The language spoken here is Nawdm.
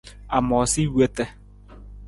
A moosa i wota.